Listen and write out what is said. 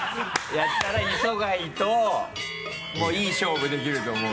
やったら磯貝といい勝負できると思う。